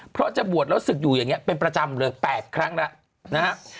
เพราะจะบวชแล้วศึกอยู่อย่างนี้เป็นประจำเลย๘ครั้งแล้วนะฮะ